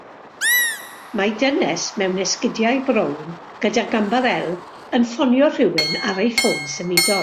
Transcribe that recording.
Mae dynes mewn esgidiau brown gydag ymbarél yn ffonio rhywun ar ei ffôn symudol.